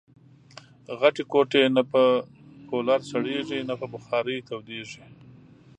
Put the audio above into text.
غټي کوټې نه په کولرسړېږي ، نه په بخارۍ تودېږي